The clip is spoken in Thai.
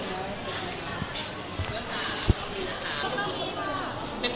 หณะตอนนี้เรียกว่าโสดเนอะ